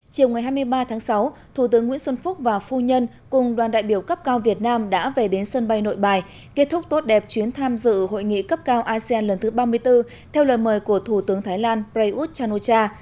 chiều ngày hai mươi ba tháng sáu thủ tướng nguyễn xuân phúc và phu nhân cùng đoàn đại biểu cấp cao việt nam đã về đến sân bay nội bài kết thúc tốt đẹp chuyến tham dự hội nghị cấp cao asean lần thứ ba mươi bốn theo lời mời của thủ tướng thái lan prayuth chan o cha